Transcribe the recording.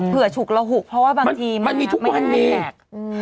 อ๋อเผื่อฉุกละหุกเพราะว่าบางทีมันไม่ได้แหลก